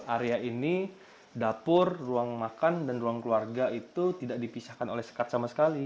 area ini dapur ruang makan dan ruang keluarga itu tidak dipisahkan oleh sekat sama sekali